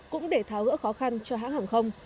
cũng để tháo gỡ khó khăn cho hãng hàng không